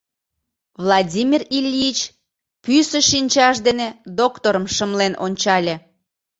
Владимир Ильич пӱсӧ шинчаж дене докторым шымлен ончале.